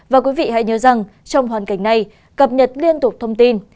và quý vị hãy nhớ rằng trong hoàn cảnh này cập nhật liên tục thông tin